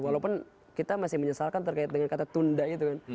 walaupun kita masih menyesalkan terkait dengan kata tunda itu kan